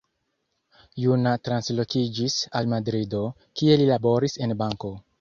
Juna translokiĝis al Madrido, kie li laboris en banko.